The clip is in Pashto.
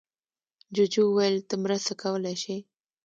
جوجو وویل ته مرسته کولی شې.